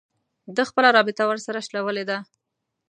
ده خپله رابطه ورسره شلولې ده